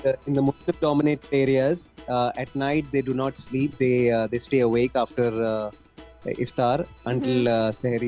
di tempat yang paling terdominasi pada malam mereka tidak tidur mereka tetap terbentur setelah iftar sampai sehari